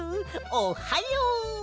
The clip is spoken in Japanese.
おっはよう！